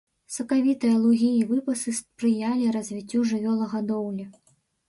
Сакавітыя лугі і выпасы спрыялі развіццю жывёлагадоўлі.